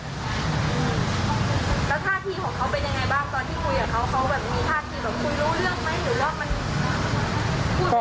แล้วท่าทีของเขาเป็นอย่างไรบ้างตอนที่คุยกับเขา